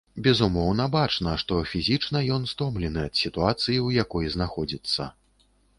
Безумоўна, бачна, што фізічна ён стомлены ад сітуацыі, у якой знаходзіцца.